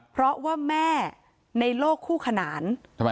เพราะว่าแม่ในโลกคู่ขนาน